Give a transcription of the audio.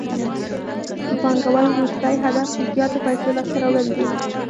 د پانګوال وروستی هدف د زیاتو پیسو لاسته راوړل دي